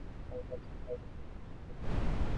তাঁর কাছেই চাইবেন, যদি কিছু প্রয়োজন হয়।